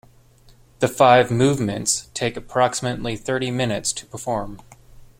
The five movements take approximately thirty minutes to perform.